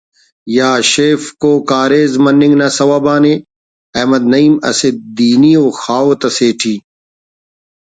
یا شیفکو کاریز مننگ نا سوب آن ءِ احمد نعیم اسہ دینی ءُ خاہوت اسیٹی